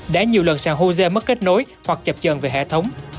đã nhiều lần sàng hồ sê mất kết nối hoặc chập trần về hệ thống